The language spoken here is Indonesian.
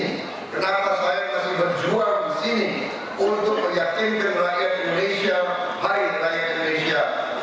kenapa saya masih berjuang di sini untuk meyakinkan rakyat indonesia hari rakyat indonesia